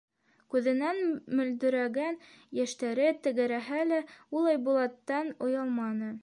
Күҙенән мөлдөрәгән йәштәре тәгәрәһә лә, ул Айбулаттан оялманы.